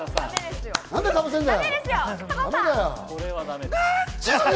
なんでかぶせるんだよ！